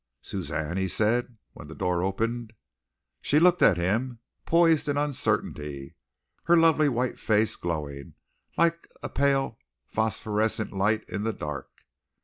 "Suzanne!" he said, when the door opened. She looked at him, poised in uncertainty, her lovely white face glowing like a pale phosphorescent light in the dark.